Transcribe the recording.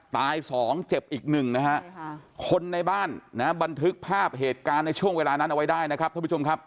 ตายสองเจ็บอีกหนึ่งนะฮะคนในบ้านนะฮะบันทึกภาพเหตุการณ์ในช่วงเวลานั้นเอาไว้ได้นะครับท่านผู้ชมครับ